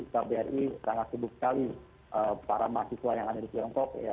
kbri sangat sibuk sekali para mahasiswa yang ada di tiongkok